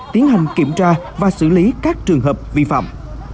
tiến hành kiểm tra và xử lý các trường hợp vi phạm